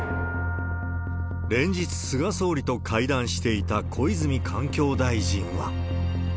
連日菅総理と会談していた小泉環境大臣は。